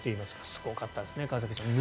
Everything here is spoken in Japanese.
すごかったですね、川崎さん。